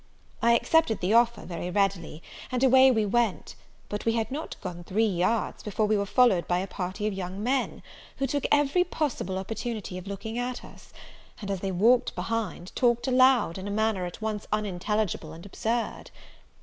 I accepted the offer very readily, and away we went. But we had not gone three yards, before we were followed by a party of young men, who took every possible opportunity of looking at us, and, as they walked behind, talked aloud, in a manner at once unintelligible and absurd.